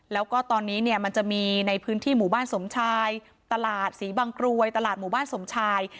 แล้วก็ตอนนี้เนี่ยมันจะมีในพื้นที่หมู่บ้านสมชายตลาดศรีบางกรวยตลาดหมู่บ้านสมชาย